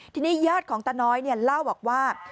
ทีนี้ญาติของตาน้อยเล่าบอกว่า